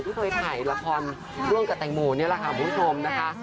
ที่เคยถ่ายละครร่วมกับแตงโมนี่แหละค่ะคุณผู้ชมนะคะ